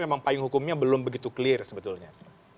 memang payung hukumnya belum begitu clear sebetulnya